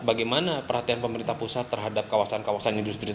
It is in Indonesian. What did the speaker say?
bagaimana perhatian pemerintah pusat terhadap kawasan kawasan ini